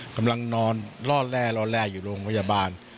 กำลังนอนรอแลอยู่โรงพยาบาล